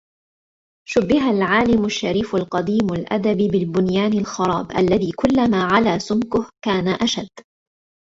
شُبِّهَ الْعَالِمُ الشَّرِيفُ الْقَدِيمُ الْأَدَبِ بِالْبُنْيَانِ الْخَرَابِ الَّذِي كُلَّمَا عَلَا سُمْكُهُ كَانَ أَشَدَّ